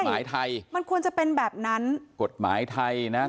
หมายไทยมันควรจะเป็นแบบนั้นกฎหมายไทยนะ